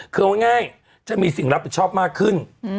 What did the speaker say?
คือเอาง่ายจะมีสิ่งรับผิดชอบมากขึ้น